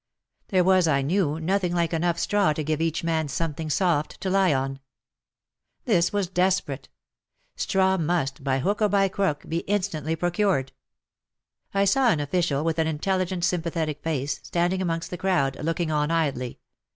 There was, I knew, nothing like enough straw to give each man something soft to lie on. This was desperate. Straw must, by hook or by crook, be instantly procured. I saw an official with an intelligent, sympathetic face, standing amongst the crowd, looking on idly.